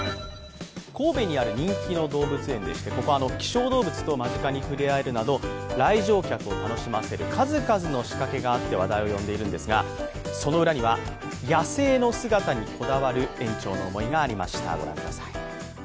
神戸にある人気の動物園でして、ここは希少動物と間近に触れ合えるなど来場客を楽しませる数々の仕掛けがあって話題を呼んでいるんですがその裏には、野生の姿にこだわる園長の思いがありました。